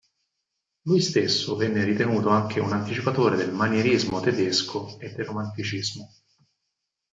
Lui stesso viene ritenuto anche un anticipatore del manierismo tedesco e del Romanticismo.